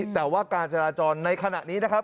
แต่ว่าการจราจรในขณะนี้นะครับ